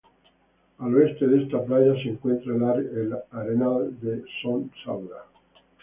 Al oeste de esta playa se encuentra el Arenal de Son Saura.